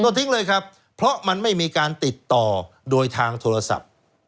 ทิ้งเลยครับเพราะมันไม่มีการติดต่อโดยทางโทรศัพท์